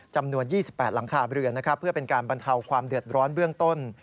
จำนวน๒๘หลังคาเรือนเพื่อเป็นการบรรเทาความเดือดร้อนเบื้องต้น